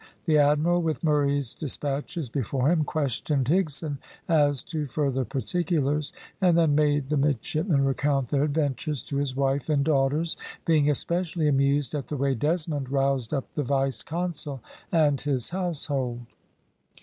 The admiral, with Murray's despatches before him, questioned Higson as to further particulars, and then made the midshipmen recount their adventures to his wife and daughters, being especially amused at the way Desmond roused up the vice consul and his household.